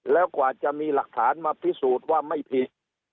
แล้วกว่าจะมีหลักฐานมาพิสูจน์ว่าไม่ผิด